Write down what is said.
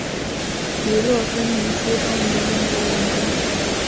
迪乐芬妮出生于英国伦敦。